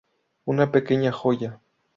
Una pequeña joya.